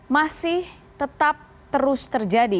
masih tetap terus terjadi